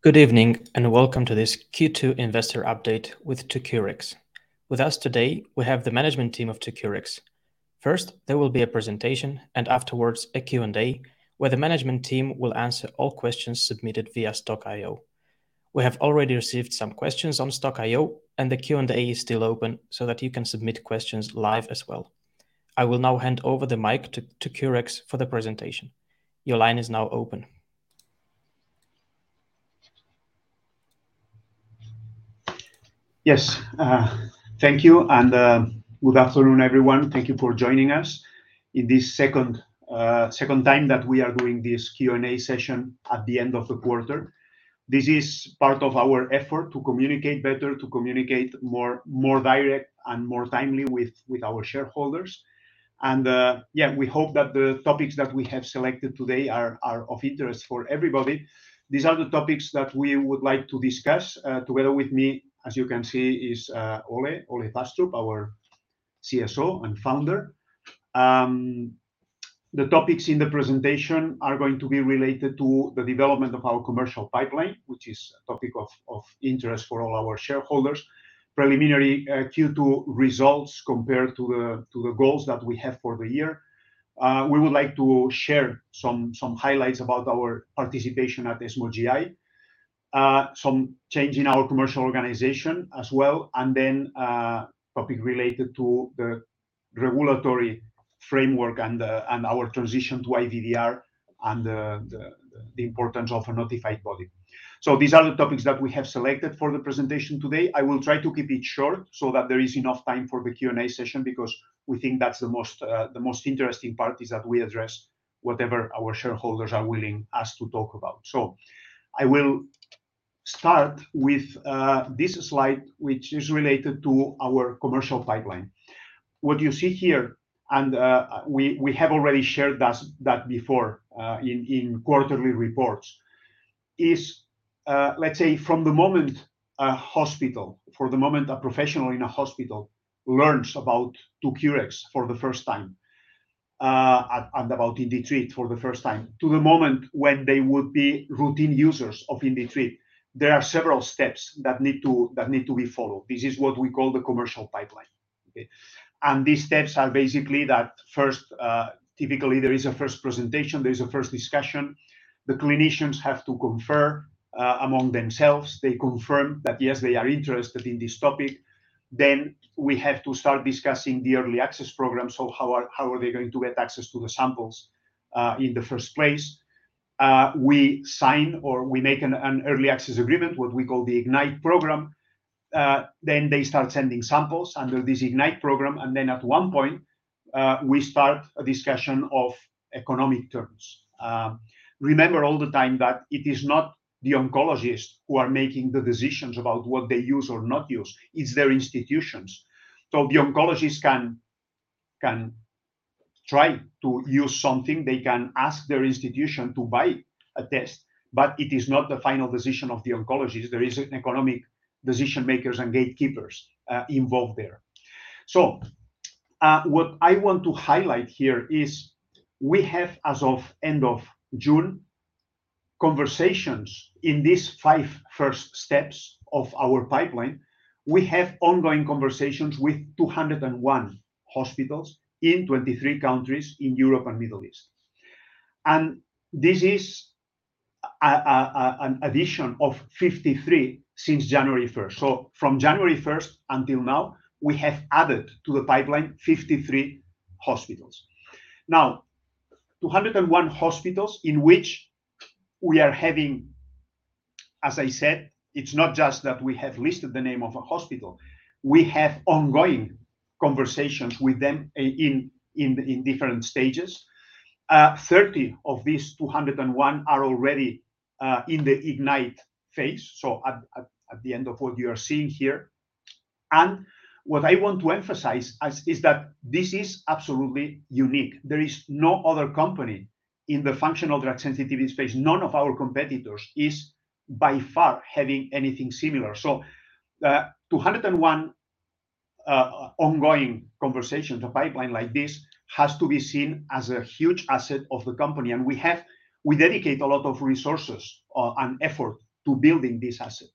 Good evening, and welcome to this Q2 investor update with 2cureX. With us today, we have the management team of 2cureX. First, there will be a presentation, and afterwards, a Q&A, where the management team will answer all questions submitted via stockio. We have already received some questions on stockio, and the Q&A is still open so that you can submit questions live as well. I will now hand over the mic to 2cureX for the presentation. Your line is now open. Yes, thank you and good afternoon, everyone. Thank you for joining us in this second time that we are doing this Q&A session at the end of the quarter. This is part of our effort to communicate better, to communicate more, more direct and more timely with our shareholders. Yeah, we hope that the topics that we have selected today are of interest for everybody. These are the topics that we would like to discuss. Together with me, as you can see, is Ole Thastrup, our CSO and Founder. The topics in the presentation are going to be related to the development of our commercial pipeline, which is a topic of interest for all our shareholders. Preliminary Q2 results compared to the goals that we have for the year. We would like to share some highlights about our participation at ESMO GI, some change in our commercial organization as well, and then a topic related to the regulatory framework and our transition to IVDR, and the importance of a notified body. These are the topics that we have selected for the presentation today. I will try to keep it short so that there is enough time for the Q&A session, because we think that's the most interesting part is that we address whatever our shareholders are willing us to talk about. I will start with this slide, which is related to our commercial pipeline. What you see here, and we have already shared that before, in quarterly reports, is, let's say, from the moment a hospital. For the moment a professional in a hospital learns about 2cureX for the first time, and about IndiTreat for the first time, to the moment when they would be routine users of IndiTreat, there are several steps that need to be followed. This is what we call the commercial pipeline. Okay? These steps are basically that first, typically, there is a first presentation, there is a first discussion. The clinicians have to confer among themselves. They confirm that, yes, they are interested in this topic. We have to start discussing the early access program. How are they going to get access to the samples in the first place? We sign or we make an early access agreement, what we call the IGNITE program. They start sending samples under this IGNITE program, and then at one point, we start a discussion of economic terms. Remember all the time that it is not the oncologists who are making the decisions about what they use or not use, it's their institutions. The oncologists can try to use something, they can ask their institution to buy a test, but it is not the final decision of the oncologist. There is an economic decision-makers and gatekeepers involved there. What I want to highlight here is we have, as of end of June, conversations in these five first steps of our pipeline. We have ongoing conversations with 201 hospitals in 23 countries in Europe and Middle East. This is an addition of 53 since January 1st. From January 1st until now, we have added to the pipeline 53 hospitals. Now, 201 hospitals. As I said, it's not just that we have listed the name of a hospital, we have ongoing conversations with them in different stages. 30 of these 201 are already in the IGNITE phase, so at the end of what you are seeing here. What I want to emphasize is that this is absolutely unique. There is no other company in the functional drug sensitivity space, none of our competitors is by far having anything similar. 201 ongoing conversations, a pipeline like this, has to be seen as a huge asset of the company, and we dedicate a lot of resources and effort to building this asset.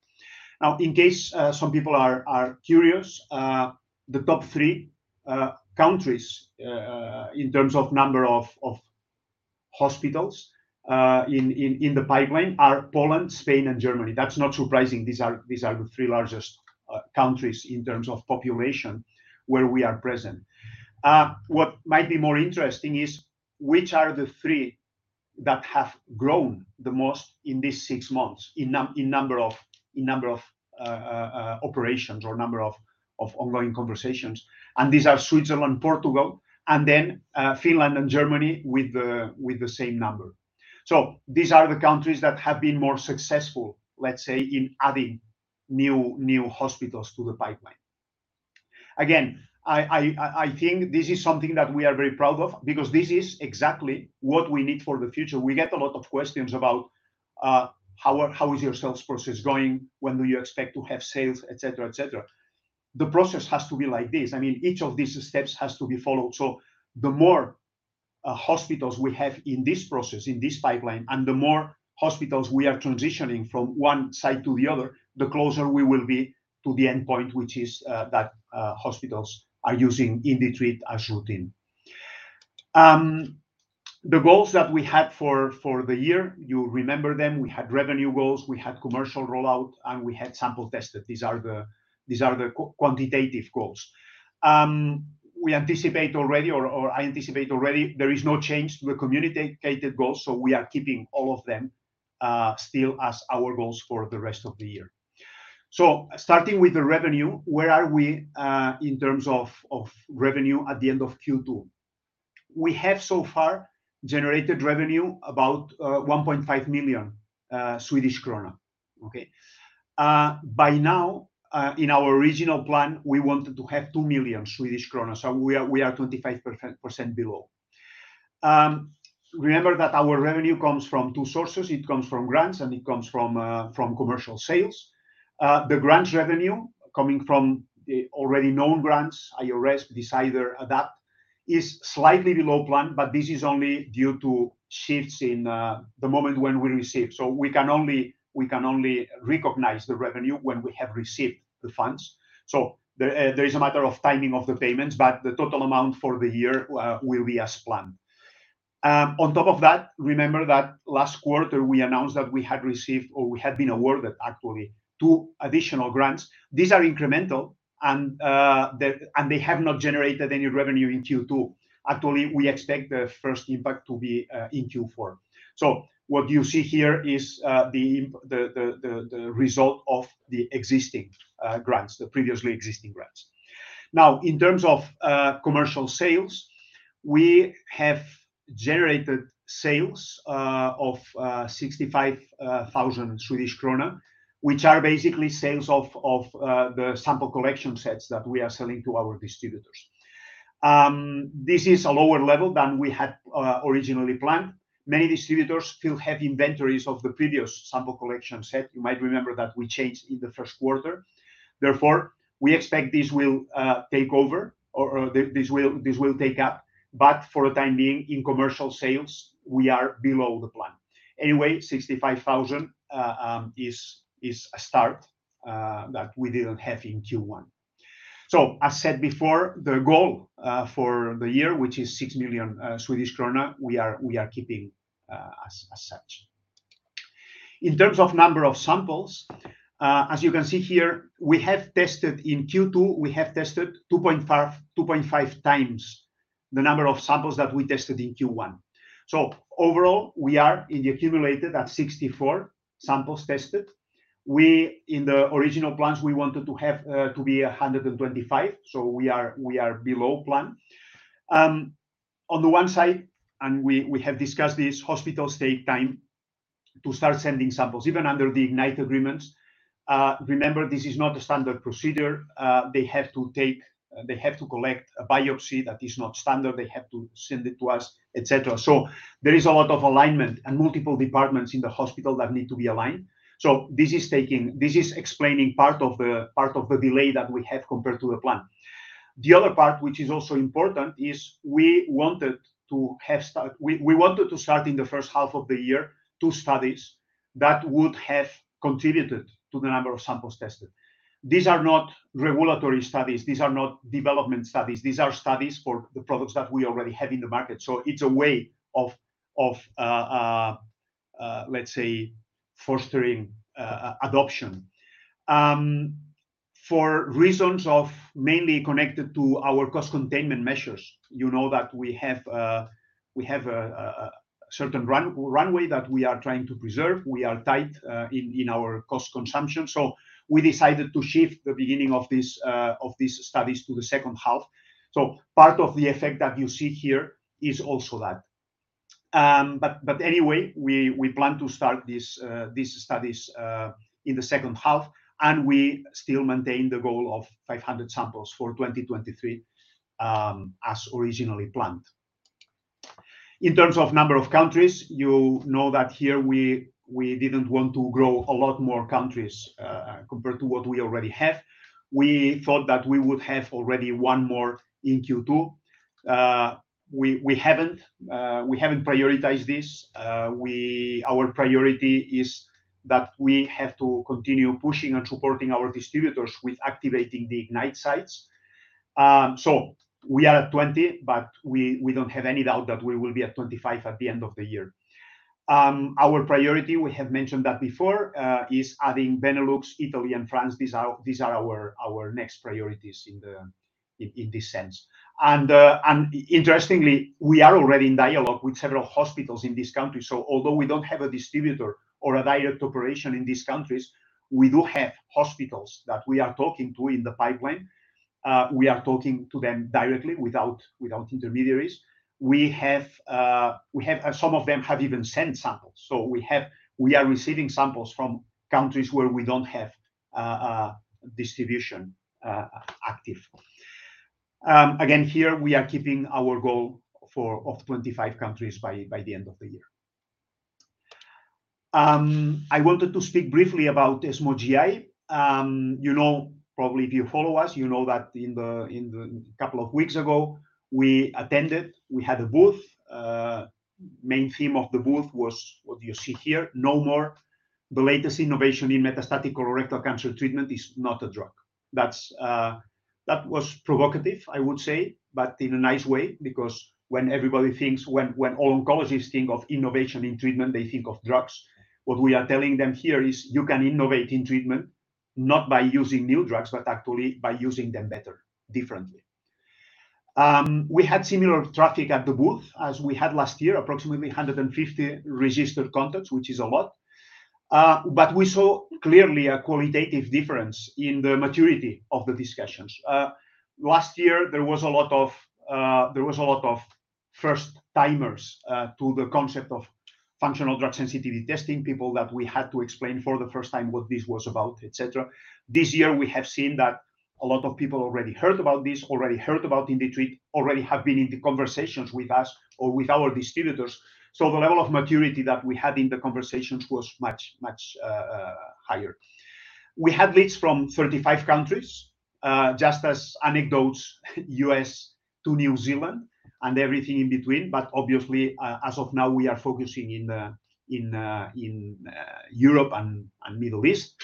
In case some people are curious, the top 3 countries in terms of number of hospitals in the pipeline are Poland, Spain, and Germany. That's not surprising. These are the 3 largest countries in terms of population where we are present. What might be more interesting is, which are the 3 that have grown the most in these 6 months, in number of operations or number of ongoing conversations? These are Switzerland, Portugal, and then Finland and Germany with the same number. These are the countries that have been more successful, let's say, in adding new hospitals to the pipeline. Again, I think this is something that we are very proud of because this is exactly what we need for the future. We get a lot of questions about how is your sales process going? When do you expect to have sales? Et cetera, et cetera. The process has to be like this. I mean, each of these steps has to be followed. The more hospitals we have in this process, in this pipeline, and the more hospitals we are transitioning from one side to the other, the closer we will be to the endpoint, which is that hospitals are using IndiTreat as routine. The goals that we had for the year, you remember them, we had revenue goals, we had commercial rollout, and we had sample tested. These are the quantitative goals. We anticipate already, or I anticipate already there is no change to the communicated goals, so we are keeping all of them, still as our goals for the rest of the year. Starting with the revenue, where are we, in terms of revenue at the end of Q2? We have so far generated revenue about 1.5 million Swedish krona. Okay? By now, in our original plan, we wanted to have 2 million Swedish krona, so we are 25% below. Remember that our revenue comes from two sources: it comes from grants, and it comes from commercial sales. The grants revenue coming from the already known grants, IRES, Decider, Adapt is slightly below plan, but this is only due to shifts in the moment when we receive. We can only recognize the revenue when we have received the funds. There is a matter of timing of the payments, but the total amount for the year will be as planned. On top of that, remember that last quarter we announced that we had received, or we had been awarded, actually, 2 additional grants. These are incremental, and they have not generated any revenue in Q2. Actually, we expect the first impact to be in Q4. What you see here is the result of the existing grants, the previously existing grants. In terms of commercial sales, we have generated sales of 65,000 Swedish krona, which are basically sales of the sample collection sets that we are selling to our distributors. This is a lower level than we had originally planned. Many distributors still have inventories of the previous sample collection set. You might remember that we changed in the first quarter. Therefore, we expect this will take over, or this will take up, but for the time being, in commercial sales, we are below the plan. 65,000 is a start that we didn't have in Q1. As said before, the goal for the year, which is 6 million Swedish krona, we are keeping as such. In terms of number of samples, as you can see here, we have tested in Q2, we have tested 2.5 times the number of samples that we tested in Q1. Overall, we are in the accumulated at 64 samples tested. In the original plans, we wanted to be 125, so we are below plan. On the one side, and we have discussed this, hospitals take time to start sending samples, even under the IGNITE agreements. Remember, this is not a standard procedure. They have to collect a biopsy that is not standard, they have to send it to us, et cetera. There is a lot of alignment and multiple departments in the hospital that need to be aligned. This is explaining part of the delay that we have compared to the plan. The other part, which is also important, is We wanted to start in the first half of the year, 2 studies that would have contributed to the number of samples tested. These are not regulatory studies, these are not development studies. These are studies for the products that we already have in the market. It's a way of, let's say, fostering adoption. For reasons of mainly connected to our cost containment measures, you know that we have a certain runway that we are trying to preserve. We are tight in our cost consumption. We decided to shift the beginning of these studies to the second half. Part of the effect that you see here is also that. Anyway, we plan to start these studies in the second half, and we still maintain the goal of 500 samples for 2023 as originally planned. In terms of number of countries, you know that here we didn't want to grow a lot more countries compared to what we already have. We thought that we would have already one more in Q2. We haven't prioritized this. Our priority is that we have to continue pushing and supporting our distributors with activating the IGNITE sites. We are at 20, but we don't have any doubt that we will be at 25 at the end of the year. Our priority, we have mentioned that before, is adding Benelux, Italy, and France. These are our next priorities in this sense. Interestingly, we are already in dialogue with several hospitals in these countries. Although we don't have a distributor or a direct operation in these countries, we do have hospitals that we are talking to in the pipeline. We are talking to them directly without intermediaries. We have Some of them have even sent samples. We are receiving samples from countries where we don't have distribution active. Again, here we are keeping our goal for of 25 countries by the end of the year. I wanted to speak briefly about ESMO GI. You know, probably if you follow us, you know that in the couple of weeks ago, we had a booth. Main theme of the booth was what you see here, no more: The latest innovation in metastatic colorectal cancer treatment is not a drug. That's that was provocative, I would say, in a nice way, because when everybody thinks when oncologists think of innovation in treatment, they think of drugs. What we are telling them here is you can innovate in treatment, not by using new drugs, but actually by using them better, differently. We had similar traffic at the booth as we had last year, approximately 150 registered contacts, which is a lot. We saw clearly a qualitative difference in the maturity of the discussions. Last year there was a lot of first-timers, to the concept of functional drug sensitivity testing, people that we had to explain for the first time what this was about, et cetera. This year, we have seen that a lot of people already heard about this, already heard about IndiTreat, already have been in the conversations with us or with our distributors. The level of maturity that we had in the conversations was much, much higher. We had leads from 35 countries, just as anecdotes, U.S. to New Zealand and everything in between. Obviously, as of now, we are focusing in Europe and Middle East.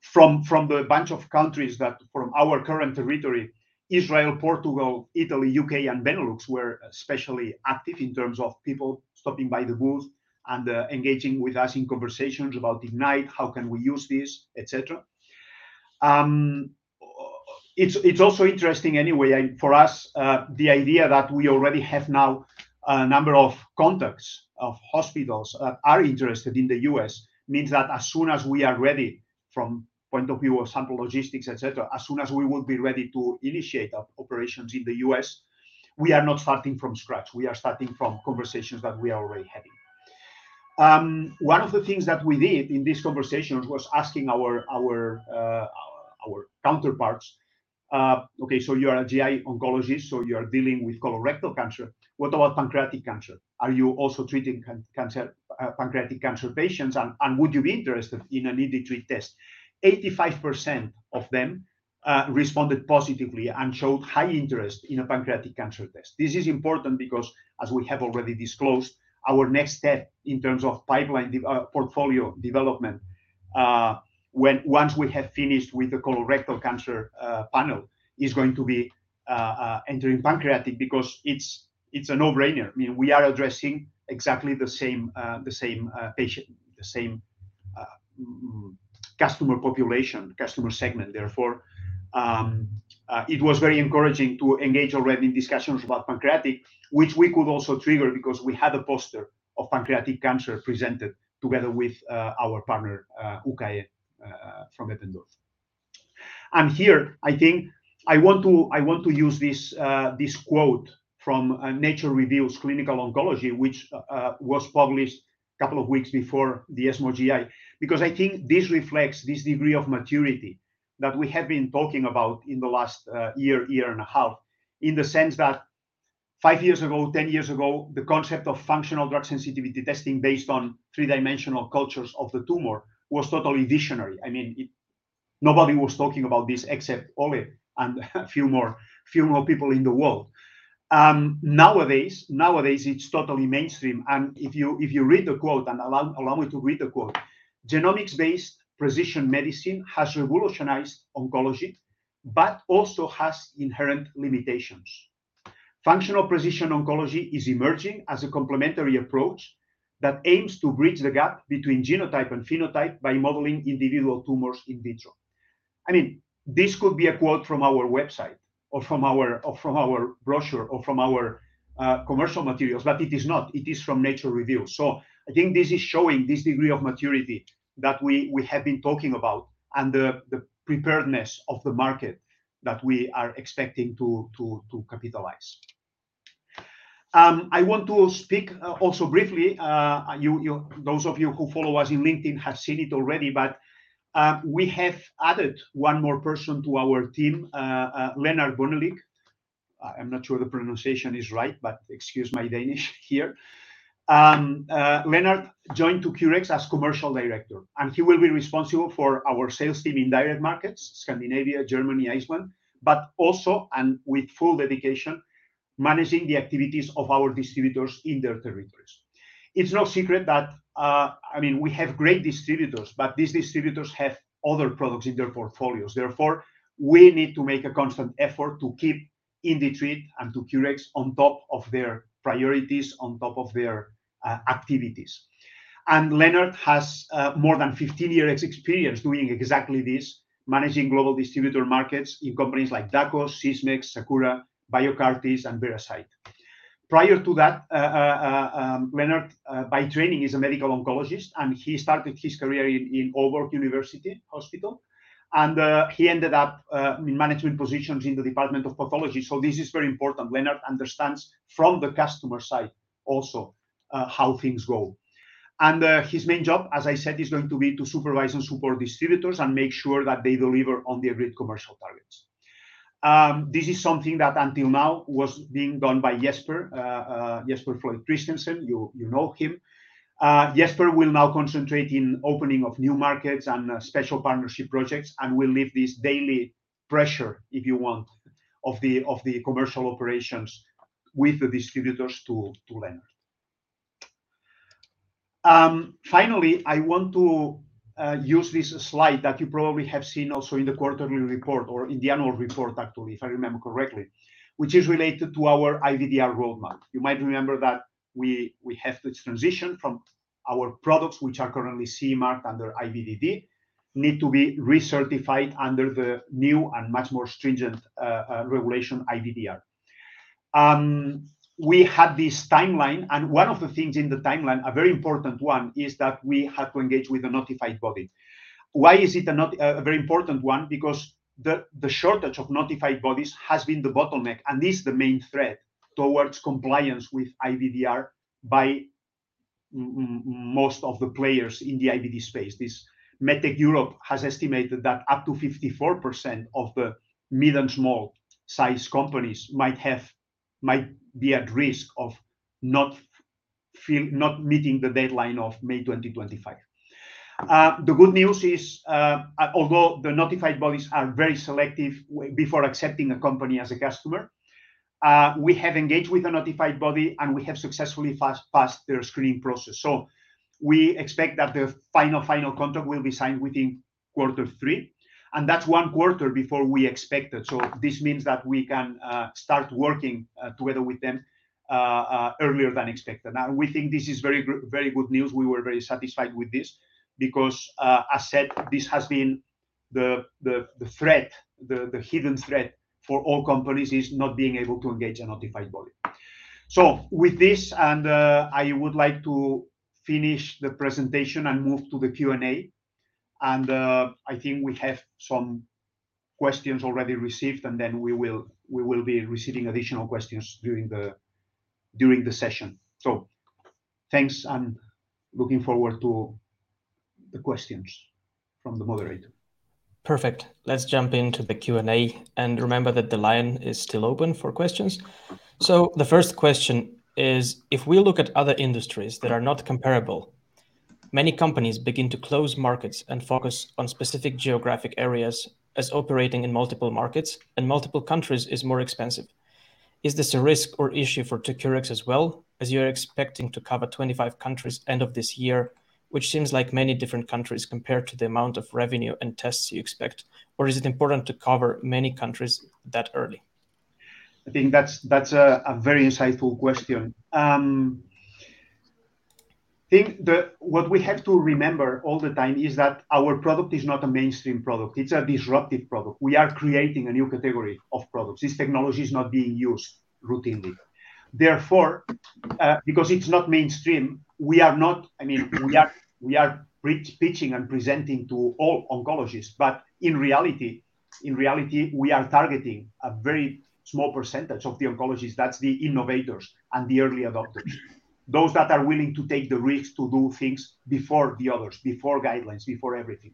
From the bunch of countries that from our current territory, Israel, Portugal, Italy, U.K., and Benelux were especially active in terms of people stopping by the booth and engaging with us in conversations about IGNITE, how can we use this, et cetera. It's, it's also interesting anyway, and for us, the idea that we already have now a number of contacts of hospitals that are interested in the U.S., means that as soon as we are ready, from point of view of sample logistics, et cetera, as soon as we will be ready to initiate operations in the U.S., we are not starting from scratch, we are starting from conversations that we are already having. One of the things that we did in this conversation was asking our, our counterparts, okay, so you are a GI oncologist, so you are dealing with metastatic colorectal cancer. What about pancreatic cancer? Are you also treating cancer, pancreatic cancer patients, and would you be interested in an IndiTreat test? 85% of them responded positively and showed high interest in a pancreatic cancer test. This is important because, as we have already disclosed, our next step in terms of pipeline portfolio development, once we have finished with the colorectal cancer panel, is going to be entering pancreatic because it's a no-brainer. I mean, we are addressing exactly the same the same patient, the same customer population, customer segment. Therefore, it was very encouraging to engage already in discussions about pancreatic, which we could also trigger because we had a poster of pancreatic cancer presented together with our partner, UKE, from Eppendorf. Here, I think I want to use this quote from, Nature Reviews Clinical Oncology, which, was published a couple of weeks before the ESMO GI, because I think this reflects this degree of maturity that we have been talking about in the last, year and a half, in the sense that 5 years ago, 10 years ago, the concept of functional drug sensitivity testing based on three-dimensional cultures of the tumor was totally visionary. I mean, nobody was talking about this except Ole and a few more people in the world. Nowadays, it's totally mainstream, and if you read the quote, and allow me to read the quote: genomics-based precision medicine has revolutionized oncology, but also has inherent limitations. Functional precision oncology is emerging as a complementary approach that aims to bridge the gap between genotype and phenotype by modeling individual tumors in vitro. I mean, this could be a quote from our website or from our, or from our brochure, or from our commercial materials, but it is not. It is from Nature Reviews. I think this is showing this degree of maturity that we have been talking about and the preparedness of the market that we are expecting to capitalize. I want to speak also briefly, those of you who follow us in LinkedIn have seen it already, but we have added one more person to our team, Lennart Bønnelykke. I'm not sure the pronunciation is right, but excuse my Danish here. Lennart joined 2cureX as Commercial Director, and he will be responsible for our sales team in direct markets, Scandinavia, Germany, Iceland, but also, and with full dedication, managing the activities of our distributors in their territories. It's no secret that, I mean, we have great distributors, but these distributors have other products in their portfolios. We need to make a constant effort to keep IndiTreat and 2cureX on top of their priorities, on top of their activities. Lennart has more than 15 years experience doing exactly this, managing global distributor markets in companies like Dako, Sysmex, Sakura, Biocartis, and Veracyte. Prior to that, Lennart, by training, is a medical oncologist, and he started his career in Aalborg University Hospital, and he ended up in management positions in the Department of Pathology. This is very important. Lennart understands from the customer side also how things go. His main job, as I said, is going to be to supervise and support distributors and make sure that they deliver on the agreed commercial targets. This is something that until now was being done by Jesper Floyd Kristiansen, you know him. Jesper will now concentrate in opening of new markets and special partnership projects, and will leave this daily pressure, if you want, of the commercial operations with the distributors to run. Finally, I want to use this slide that you probably have seen also in the quarterly report or in the annual report, actually, if I remember correctly, which is related to our IVDR roadmap. You might remember that we have to transition from our products, which are currently CE marked under IVDD, need to be recertified under the new and much more stringent regulation, IVDR. We had this timeline, and one of the things in the timeline, a very important one, is that we had to engage with a notified body. Why is it a very important one? Because the shortage of notified bodies has been the bottleneck, and this is the main threat towards compliance with IVDR by most of the players in the IVD space. This MedTech Europe has estimated that up to 54% of the mid and small-sized companies might be at risk of not meeting the deadline of May 2025. The good news is, although the notified bodies are very selective before accepting a company as a customer, we have engaged with a notified body, and we have successfully passed their screening process. We expect that the final contract will be signed within quarter 3, and that's one quarter before we expected. This means that we can start working together with them earlier than expected. We think this is very good news. We were very satisfied with this because, as said, this has been the threat, the hidden threat for all companies is not being able to engage a notified body. With this, and I would like to finish the presentation and move to the Q&A. I think we have some questions already received, and then we will be receiving additional questions during the session. Thanks, and looking forward to the questions from the moderator. Perfect. Let's jump into the Q&A. Remember that the line is still open for questions. The first question is: If we look at other industries that are not comparable, many companies begin to close markets and focus on specific geographic areas, as operating in multiple markets and multiple countries is more expensive. Is this a risk or issue for 2cureX as well, as you're expecting to cover 25 countries end of this year, which seems like many different countries compared to the amount of revenue and tests you expect? Or is it important to cover many countries that early? I think that's a very insightful question. I think what we have to remember all the time is that our product is not a mainstream product, it's a disruptive product. We are creating a new category of products. This technology is not being used routinely. Therefore, because it's not mainstream, I mean, we are pitching and presenting to all oncologists, but in reality, we are targeting a very small percentage of the oncologists. That's the innovators and the early adopters, those that are willing to take the risk to do things before the others, before guidelines, before everything.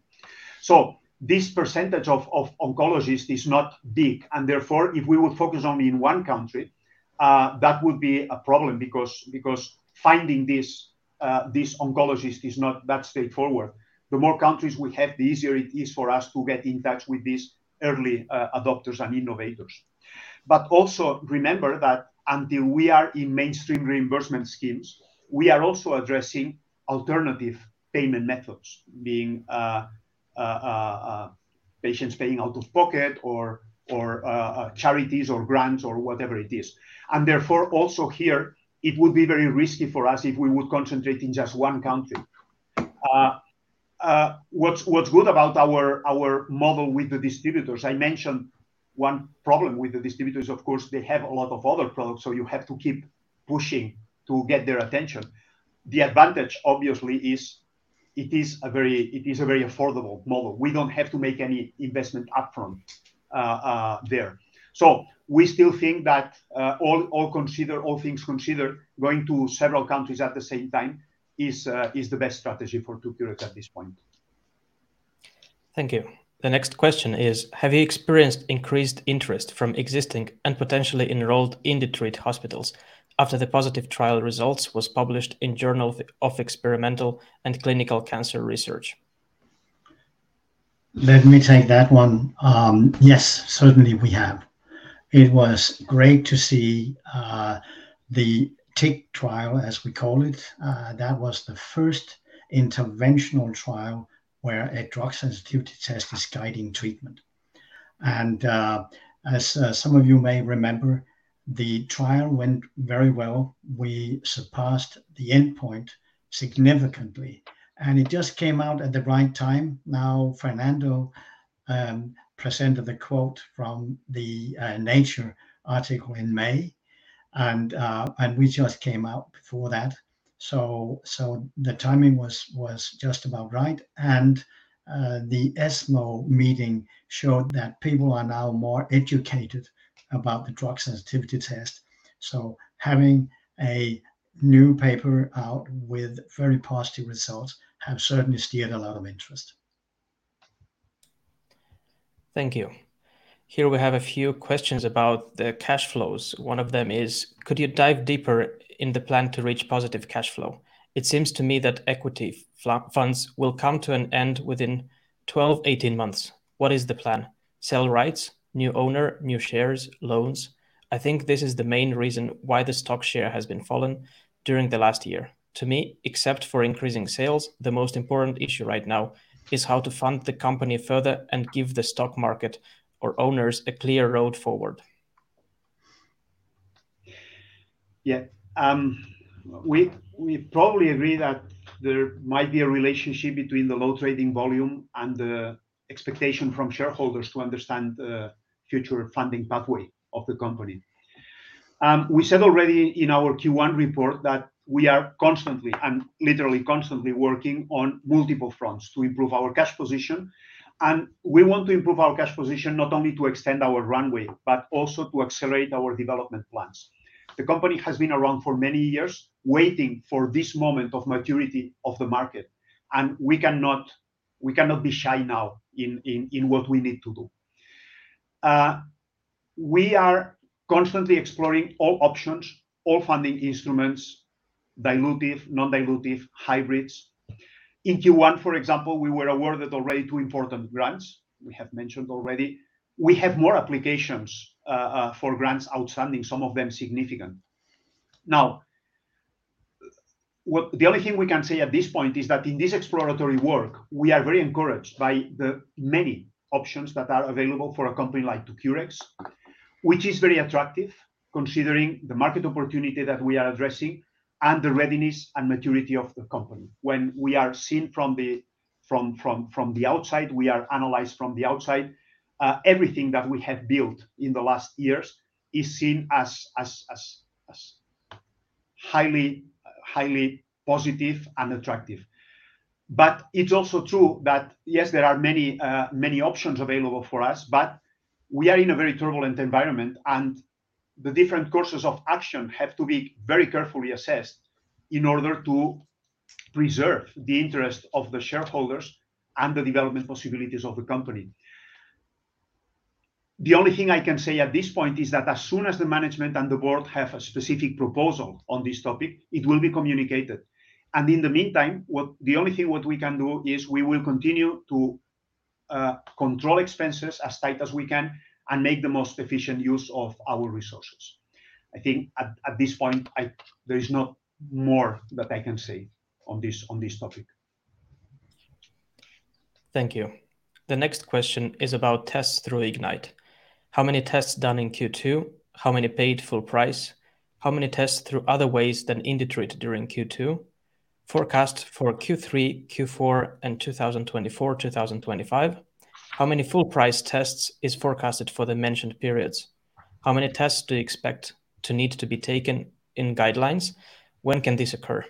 This percentage of oncologists is not big, and therefore, if we would focus only in one country, that would be a problem, because finding these oncologists is not that straightforward. The more countries we have, the easier it is for us to get in touch with these early adopters and innovators. Also remember that until we are in mainstream reimbursement schemes, we are also addressing alternative payment methods, being patients paying out of pocket or charities or grants or whatever it is. Therefore, also here, it would be very risky for us if we would concentrate in just one country. What's good about our model with the distributors, I mentioned one problem with the distributors, of course, they have a lot of other products, so you have to keep pushing to get their attention. The advantage, obviously, is it is a very affordable model. We don't have to make any investment upfront there. We still think that, all things considered, going to several countries at the same time is the best strategy for 2cureX at this point. Thank you. The next question is: Have you experienced increased interest from existing and potentially enrolled in the treat hospitals after the positive trial results was published in Journal of Experimental & Clinical Cancer Research? Let me take that one. Yes, certainly, we have. It was great to see the TICC trial, as we call it. That was the first interventional trial where a drug sensitivity test is guiding treatment. As some of you may remember, the trial went very well. We surpassed the endpoint significantly. It just came out at the right time. Fernando presented the quote from the Nature article in May. We just came out before that. The timing was just about right. The ESMO meeting showed that people are now more educated about the drug sensitivity test. Having a new paper out with very positive results have certainly steered a lot of interest. Thank you. Here we have a few questions about the cash flows. One of them is: Could you dive deeper in the plan to reach positive cash flow? It seems to me that equity funds will come to an end within 12, 18 months. What is the plan? Sell rights, new owner, new shares, loans? I think this is the main reason why the stock share has been fallen during the last year. To me, except for increasing sales, the most important issue right now is how to fund the company further and give the stock market or owners a clear road forward. Yeah, we probably agree that there might be a relationship between the low trading volume and the expectation from shareholders to understand the future funding pathway of the company. We said already in our Q1 report that we are constantly, and literally constantly, working on multiple fronts to improve our cash position. We want to improve our cash position not only to extend our runway, but also to accelerate our development plans. The company has been around for many years, waiting for this moment of maturity of the market, and we cannot be shy now in what we need to do. We are constantly exploring all options, all funding instruments, dilutive, non-dilutive, hybrids. In Q1, for example, we were awarded already 2 important grants, we have mentioned already. We have more applications for grants outstanding, some of them significant. The only thing we can say at this point is that in this exploratory work, we are very encouraged by the many options that are available for a company like 2cureX, which is very attractive, considering the market opportunity that we are addressing and the readiness and maturity of the company. When we are seen from the outside, we are analyzed from the outside, everything that we have built in the last years is seen as highly positive and attractive. It's also true that, yes, there are many, many options available for us, but we are in a very turbulent environment, and the different courses of action have to be very carefully assessed in order to preserve the interest of the shareholders and the development possibilities of the company. The only thing I can say at this point is that as soon as the management and the board have a specific proposal on this topic, it will be communicated. In the meantime, the only thing what we can do is we will continue to control expenses as tight as we can and make the most efficient use of our resources. I think at this point, there is not more that I can say on this topic. Thank you. The next question is about tests through IGNITE. How many tests done in Q2? How many paid full price? How many tests through other ways than IndiTreat during Q2? Forecast for Q3, Q4, and 2024, 2025. How many full price tests is forecasted for the mentioned periods? How many tests do you expect to need to be taken in guidelines? When can this occur?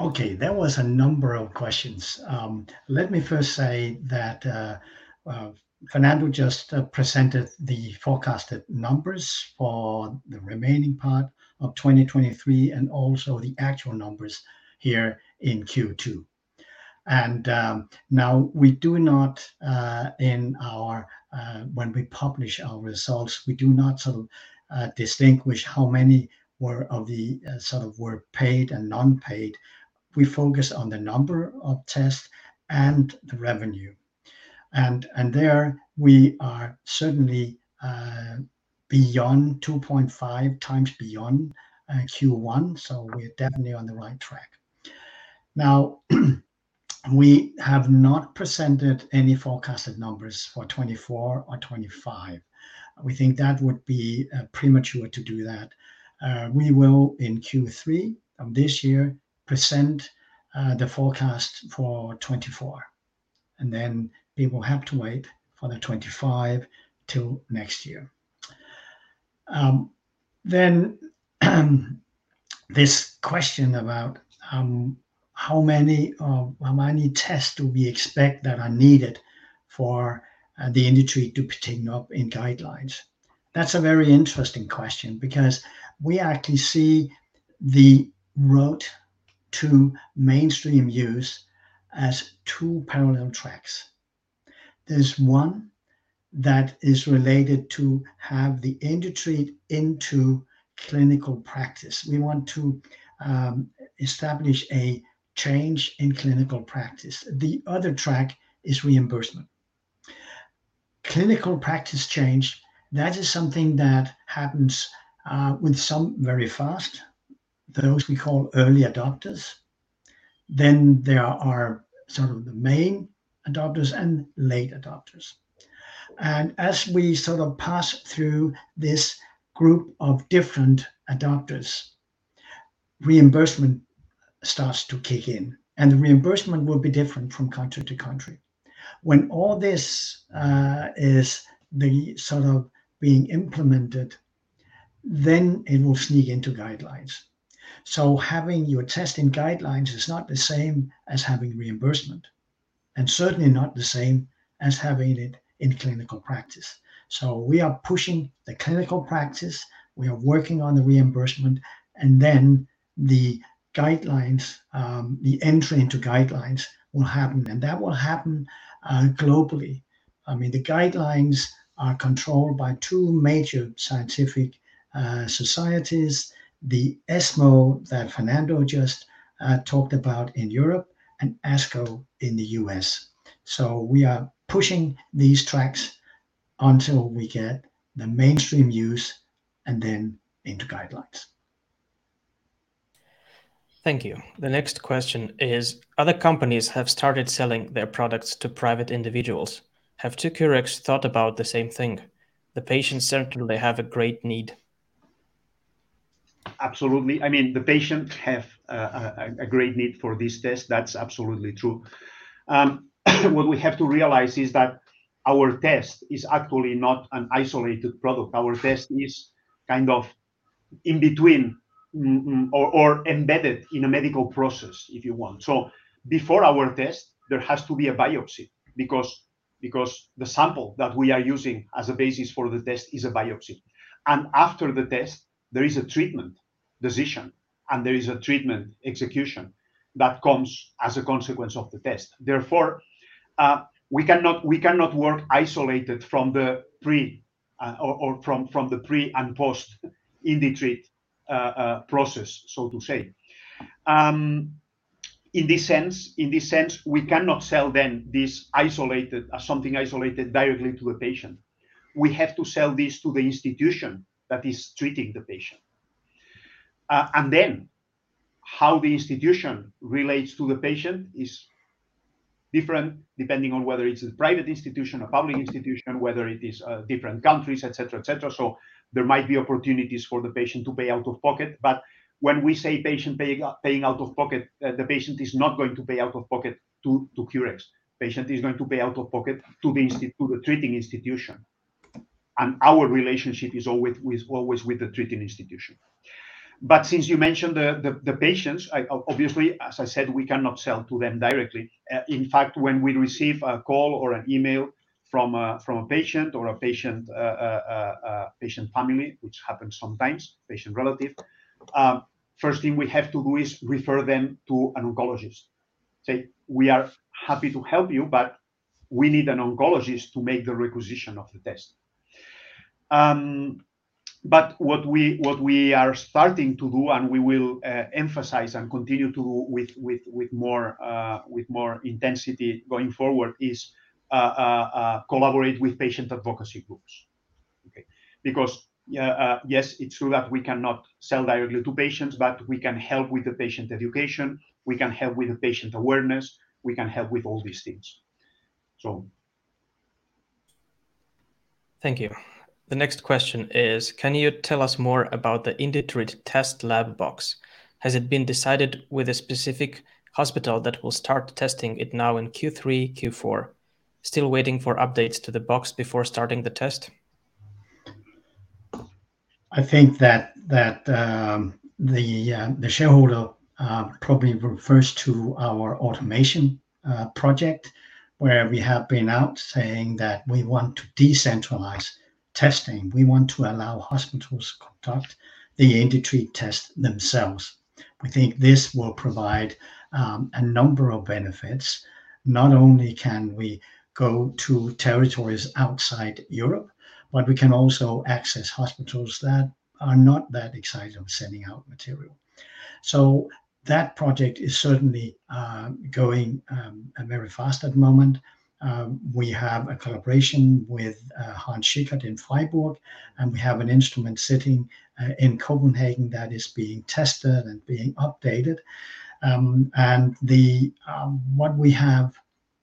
Okay, there was a number of questions. Let me first say that Fernando just presented the forecasted numbers for the remaining part of 2023, and also the actual numbers here in Q2. We do not in our when we publish our results, we do not sort of distinguish how many were of the sort of were paid and non-paid. We focus on the number of tests and the revenue. There, we are certainly beyond 2.5 times beyond Q1, so we are definitely on the right track. Now, we have not presented any forecasted numbers for 2024 or 2025. We think that would be premature to do that. We will, in Q3 of this year, present the forecast for 2024. We will have to wait for the 2025 till next year. This question about how many tests do we expect that are needed for the IndiTreat to pick up in guidelines? That's a very interesting question, because we actually see the route to mainstream use as 2 parallel tracks. There's one that is related to have the IndiTreat into clinical practice. We want to establish a change in clinical practice. The other track is reimbursement. Clinical practice change, that is something that happens with some very fast, those we call early adopters. There are sort of the main adopters and late adopters. As we sort of pass through this group of different adopters, reimbursement starts to kick in, and the reimbursement will be different from country to country. When all this is the sort of being implemented, it will sneak into guidelines. Having your test in guidelines is not the same as having reimbursement. And certainly not the same as having it in clinical practice. We are pushing the clinical practice, we are working on the reimbursement, and then the guidelines, the entry into guidelines will happen, and that will happen globally. I mean, the guidelines are controlled by two major scientific societies: ESMO, that Fernando just talked about, in Europe, and ASCO in the U.S. We are pushing these tracks until we get the mainstream use and then into guidelines. Thank you. The next question is: other companies have started selling their products to private individuals. Have 2cureX thought about the same thing? The patients certainly have a great need. Absolutely. I mean, the patient have a great need for this test, that's absolutely true. What we have to realize is that our test is actually not an isolated product. Our test is kind of in between or embedded in a medical process, if you want. Before our test, there has to be a biopsy, because the sample that we are using as a basis for the test is a biopsy, and after the test, there is a treatment decision, and there is a treatment execution that comes as a consequence of the test. Therefore, we cannot work isolated from the pre or from the pre and post IndiTreat process, so to say. In this sense, we cannot sell then this isolated something isolated directly to the patient. We have to sell this to the institution that is treating the patient. How the institution relates to the patient is different, depending on whether it's a private institution, a public institution, whether it is different countries, et cetera, et cetera. There might be opportunities for the patient to pay out of pocket, but when we say patient paying out of pocket, the patient is not going to pay out of pocket to 2cureX. Patient is going to pay out of pocket to the treating institution, and our relationship is always with the treating institution. Since you mentioned the patients, I obviously, as I said, we cannot sell to them directly. In fact, when we receive a call or an email from a patient or a patient family, which happens sometimes, patient relative, first thing we have to do is refer them to an oncologist. Say: we are happy to help you, but we need an oncologist to make the requisition of the test. But what we are starting to do, and we will emphasize and continue to with more intensity going forward, is collaborate with patient advocacy groups. Okay? Because, yeah, yes, it's true that we cannot sell directly to patients, but we can help with the patient education, we can help with the patient awareness, we can help with all these things. Thank you. The next question is: can you tell us more about the IndiTreat test lab box? Has it been decided with a specific hospital that will start testing it now in Q3, Q4? Still waiting for updates to the box before starting the test. I think that the shareholder probably refers to our automation project, where we have been out saying that we want to decentralize testing. We want to allow hospitals to conduct the IndiTreat test themselves. We think this will provide a number of benefits. Not only can we go to territories outside Europe, but we can also access hospitals that are not that excited of sending out material. That project is certainly going very fast at the moment. We have a collaboration with Hahn-Schickard in Freiburg, and we have an instrument sitting in Copenhagen that is being tested and being updated. What we have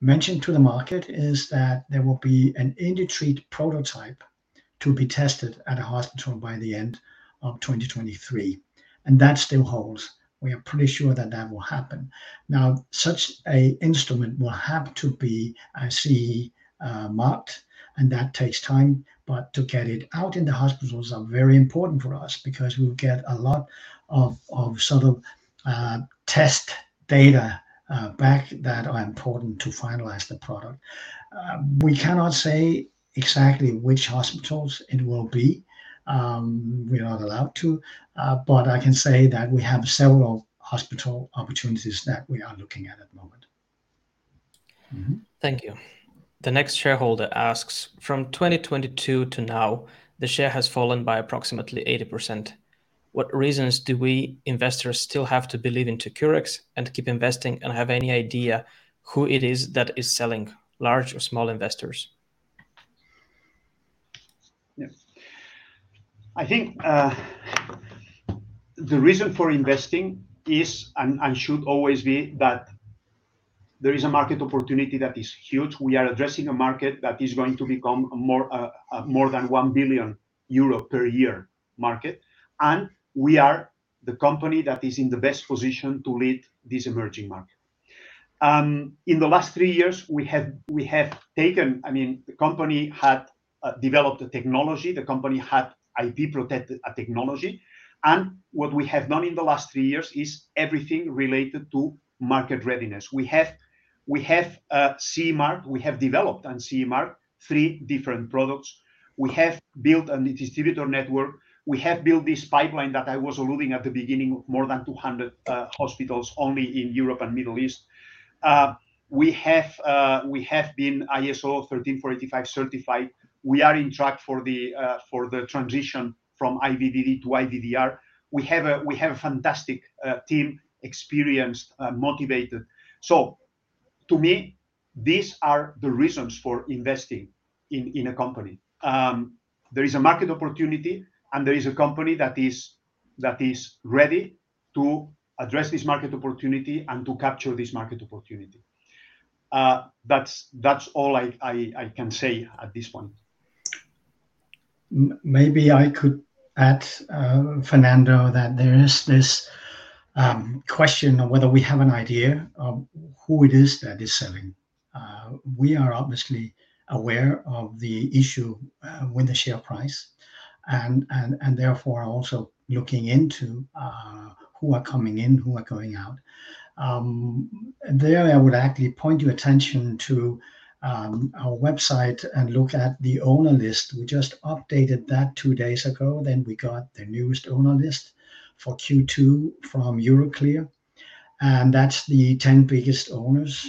mentioned to the market is that there will be an IndiTreat prototype to be tested at a hospital by the end of 2023. That still holds. We are pretty sure that that will happen. Such a instrument will have to be CE marked, and that takes time. To get it out in the hospitals are very important for us because we will get a lot of sort of test data back, that are important to finalize the product. We cannot say exactly which hospitals it will be, we are not allowed to. I can say that we have several hospital opportunities that we are looking at the moment. Thank you. The next shareholder asks: From 2022 to now, the share has fallen by approximately 80%. What reasons do we investors still have to believe in 2cureX and keep investing, and have any idea who it is that is selling, large or small investors? Yes. I think the reason for investing is, and should always be, that there is a market opportunity that is huge. We are addressing a market that is going to become a more than 1 billion euro per year market. We are the company that is in the best position to lead this emerging market. In the last three years, we have taken I mean, the company developed the technology. The company had IP-protected technology. What we have done in the last three years is everything related to market readiness. We have CE mark. We have developed an CE mark, three different products. We have built a distributor network. We have built this pipeline that I was alluding at the beginning, more than 200 hospitals only in Europe and Middle East. We have been ISO 13485 certified. We are in track for the transition from IVDD to IVDR. We have a fantastic team, experienced and motivated. To me, these are the reasons for investing in a company. There is a market opportunity, and there is a company that is ready to address this market opportunity and to capture this market opportunity. That's all I can say at this point. Maybe I could add, Fernando, that there is this question of whether we have an idea of who it is that is selling. We are obviously aware of the issue with the share price, and therefore, are also looking into who are coming in, who are going out. There, I would actually point your attention to our website and look at the owner list. We just updated that two days ago, then we got the newest owner list for Q2 from Euroclear, and that's the 10 biggest owners.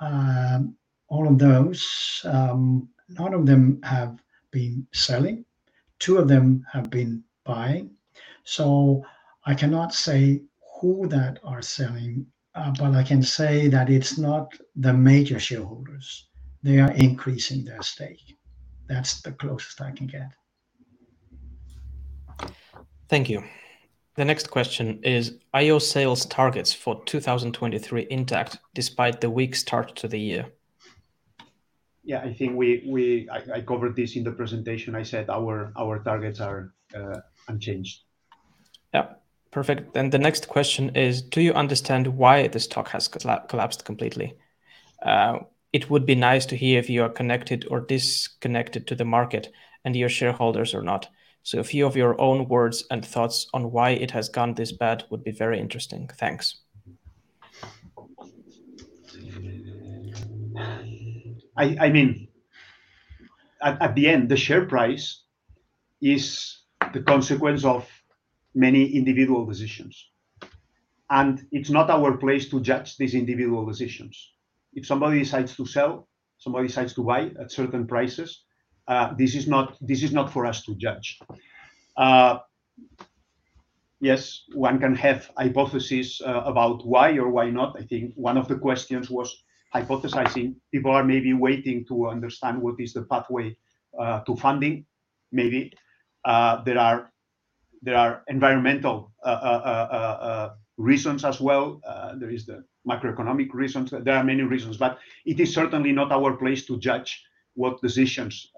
All of those, none of them have been selling. Two of them have been buying. I cannot say who that are selling, but I can say that it's not the major shareholders. They are increasing their stake. That's the closest I can get. Thank you. The next question is, are your sales targets for 2023 intact despite the weak start to the year? Yeah, I think I covered this in the presentation. I said our targets are unchanged. The next question is: Do you understand why the stock has collapsed completely? It would be nice to hear if you are connected or disconnected to the market and your shareholders or not. A few of your own words and thoughts on why it has gone this bad would be very interesting. Thanks. I mean, at the end, the share price is the consequence of many individual positions. It's not our place to judge these individual positions. If somebody decides to sell, somebody decides to buy at certain prices, this is not for us to judge. Yes, one can have hypotheses about why or why not. I think one of the questions was hypothesizing. People are maybe waiting to understand what is the pathway to funding. Maybe there are environmental reasons as well. There is the macroeconomic reasons. There are many reasons, it is certainly not our place to judge what decisions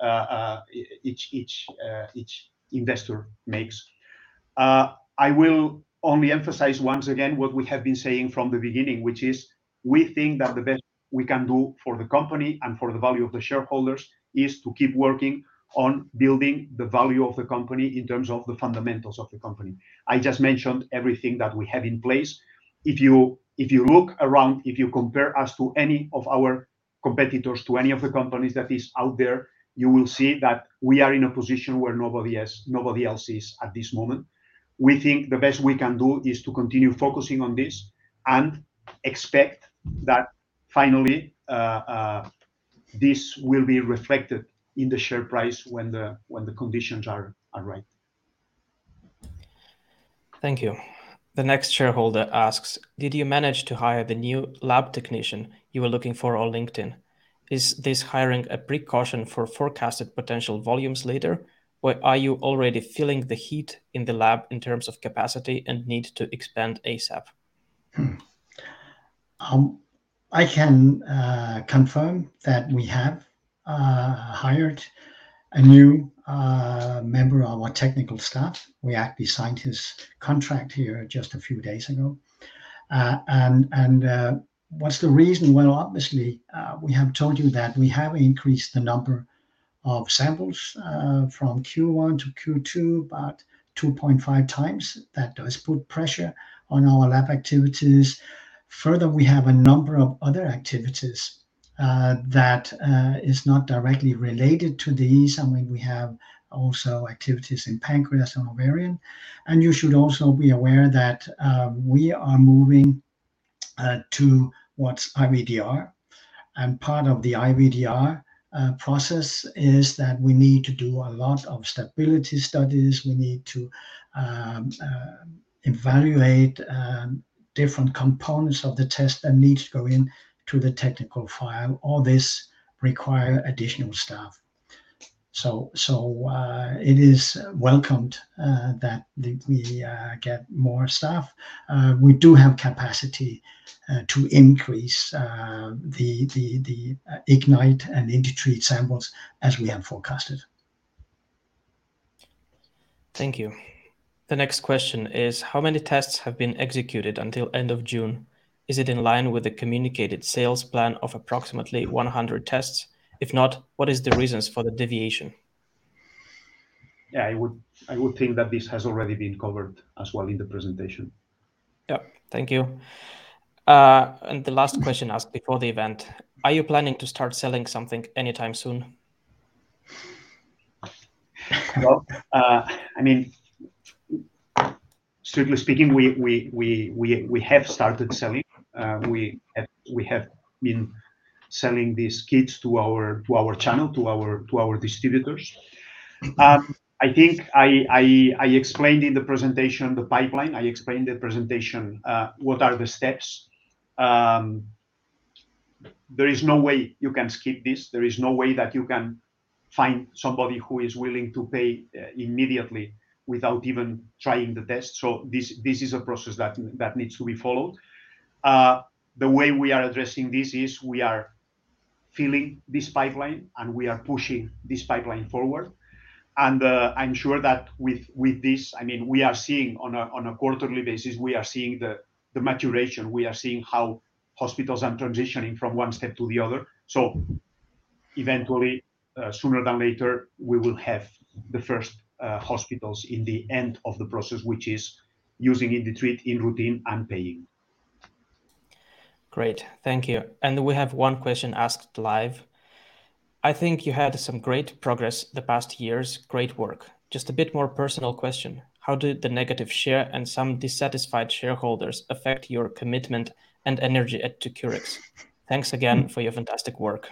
each investor makes. I will only emphasize once again, what we have been saying from the beginning, which is we think that the best we can do for the company and for the value of the shareholders, is to keep working on building the value of the company in terms of the fundamentals of the company. I just mentioned everything that we have in place. If you look around, if you compare us to any of our competitors, to any of the companies that is out there, you will see that we are in a position where nobody else is at this moment. We think the best we can do is to continue focusing on this and expect that finally, this will be reflected in the share price when the conditions are right. Thank you. The next shareholder asks: Did you manage to hire the new lab technician you were looking for on LinkedIn? Is this hiring a precaution for forecasted potential volumes later, or are you already feeling the heat in the lab in terms of capacity and need to expand ASAP? I can confirm that we have hired a new member of our technical staff. We actually signed his contract here just a few days ago. What's the reason? Well, obviously, we have told you that we have increased the number of samples from Q1 to Q2, about 2.5 times. That does put pressure on our lab activities. Further, we have a number of other activities that is not directly related to these. I mean, we have also activities in pancreas and ovarian, and you should also be aware that we are moving to what's IVDR. Part of the IVDR process, is that we need to do a lot of stability studies. We need to evaluate different components of the test that needs to go in to the technical file. All this require additional staff. It is welcomed that we get more staff. We do have capacity to increase the IGNITE and IndiTreat samples as we have forecasted. Thank you. The next question is: how many tests have been executed until end of June? Is it in line with the communicated sales plan of approximately 100 tests? If not, what is the reasons for the deviation? Yeah, I would think that this has already been covered as well in the presentation. Yeah. Thank you. The last question asked before the event: are you planning to start selling something anytime soon? Well, I mean, strictly speaking, we have started selling. We have been selling these kits to our channel, to our distributors. I think I explained in the presentation, the pipeline, I explained in the presentation, what are the steps. There is no way you can skip this. There is no way that you can find somebody who is willing to pay immediately without even trying the test. This is a process that needs to be followed. The way we are addressing this is, we are filling this pipeline, and we are pushing this pipeline forward. I'm sure that with this I mean, we are seeing on a quarterly basis, we are seeing the maturation. We are seeing how hospitals are transitioning from one step to the other. Eventually, sooner than later, we will have the first, hospitals in the end of the process, which is using IndiTreat in routine and paying. Great. Thank you. We have one question asked live. I think you had some great progress the past years. Great work. Just a bit more personal question: how did the negative share and some dissatisfied shareholders affect your commitment and energy at 2cureX? Thanks again for your fantastic work.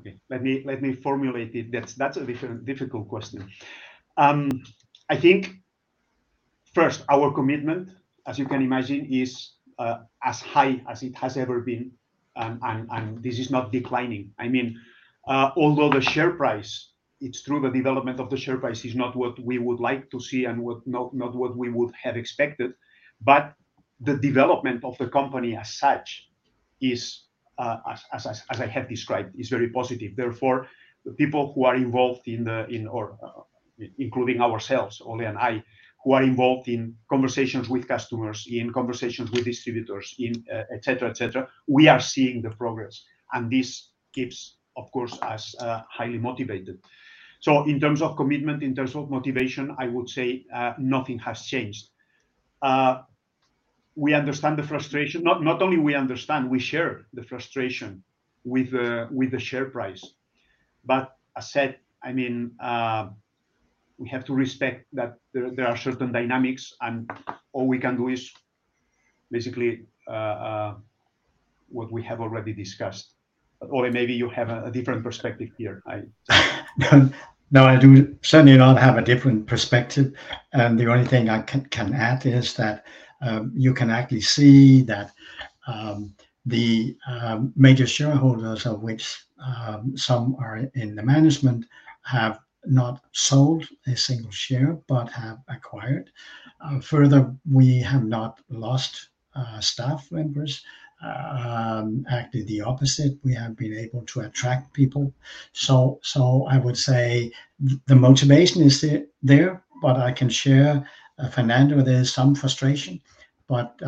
Okay, let me formulate it. That's a different, difficult question. I think, first, our commitment, as you can imagine, is as high as it has ever been, and this is not declining. I mean, although the share price, it's true, the development of the share price is not what we would like to see and not what we would have expected, but the development of the company as such is as I have described, is very positive. The people who are involved including ourselves, Ole and I, who are involved in conversations with customers, in conversations with distributors, in et cetera, et cetera, we are seeing the progress, and this keeps, of course, us highly motivated. In terms of commitment, in terms of motivation, I would say, nothing has changed. We understand the frustration. Not only we understand, we share the frustration with the share price. I said, I mean, we have to respect that there are certain dynamics, and all we can do is basically, what we have already discussed. Ole, maybe you have a different perspective here. No, I do certainly not have a different perspective, and the only thing I can add is that you can actually see that the major shareholders, of which some are in the management, have not sold a single share but have acquired. Further, we have not lost staff members. Actually, the opposite, we have been able to attract people. I would say the motivation is there, but I can share, Fernando, there is some frustration, but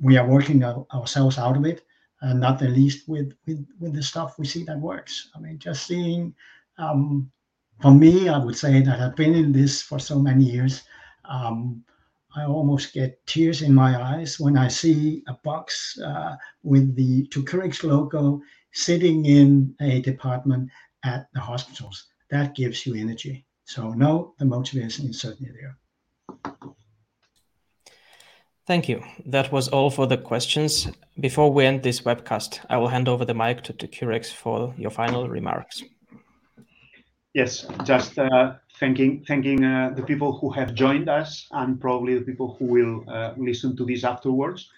we are working ourselves out of it, and not the least with the stuff we see that works. I mean, just seeing for me, I would say that I've been in this for so many years, I almost get tears in my eyes when I see a box with the 2cureX logo sitting in a department at the hospitals. That gives you energy. No, the motivation is certainly there. Thank you. That was all for the questions. Before we end this webcast, I will hand over the mic to 2cureX for your final remarks. Yes. Just thanking the people who have joined us and probably the people who will listen to this afterwards.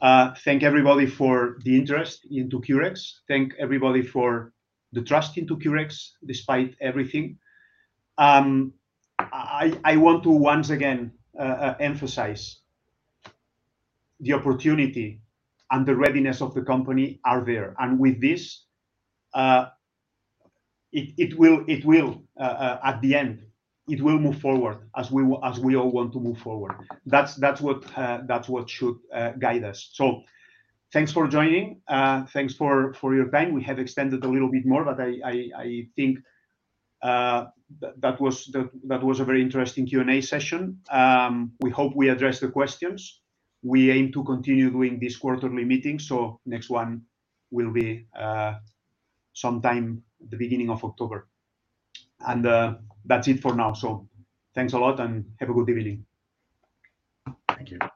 Thank everybody for the interest in 2cureX. Thank everybody for the trust in 2cureX, despite everything. I want to once again emphasize the opportunity and the readiness of the company are there, and with this, it will, at the end, it will move forward as we all want to move forward. That's what should guide us. Thanks for joining. Thanks for your time. We have extended a little bit more, but I think that was a very interesting Q&A session. We hope we addressed the questions. We aim to continue doing these quarterly meetings, so next one will be sometime the beginning of October. That's it for now. Thanks a lot, and have a good evening. Thank you.